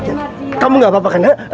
mardian kamu nggak apa apa kan